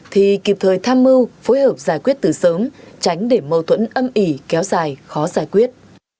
thì kịp thời tham mưu phối hợp giải quyết từ sớm tránh để mâu thuẫn âm ỉ kéo dài khó giải quyết